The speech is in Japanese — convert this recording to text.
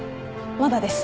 まだです。